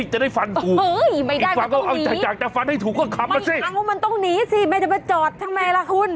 เฮ้ยไม่ได้มันต้องหนีไม่อยากว่ามันต้องหนีสิแม่จะไปจอดทำไมล่ะคุณ